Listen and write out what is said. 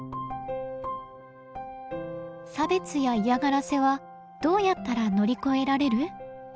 差別や嫌がらせはどうやったら乗り越えられる？